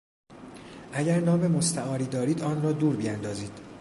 اگر نام مستعاری دارید آن را دور بیاندازید.